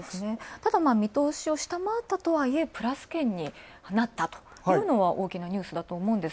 ただ見通しを下回ったとはいえプラス圏になったというのは大きなニュースだったと。